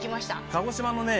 鹿児島のね